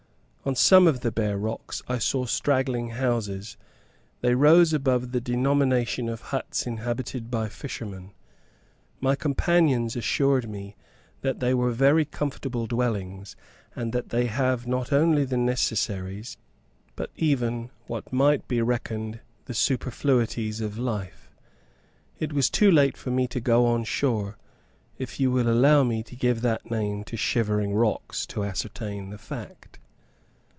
On some of the bare rocks I saw straggling houses; they rose above the denomination of huts inhabited by fishermen. My companions assured me that they were very comfortable dwellings, and that they have not only the necessaries, but even what might be reckoned the superfluities of life. It was too late for me to go on shore, if you will allow me to give that name to shivering rocks, to ascertain the fact.